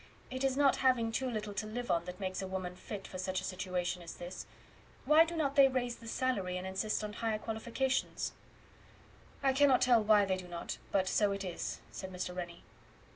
"It is not having too little to live on that makes a woman fit for such a situation as this. Why do not they raise the salary and insist on higher qualifications?" "I cannot tell why they do not, but so it is," said Mr. Rennie.